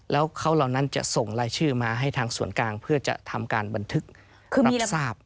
แล้วเขาเหล่านั้นจะส่งรายชื่อมาให้ทางส่วนกลางเพื่อจะทำการบันทึกคือมีทราบ